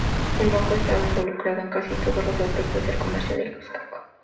El banco estaba involucrado en casi todos los aspectos del comercio en el Cáucaso.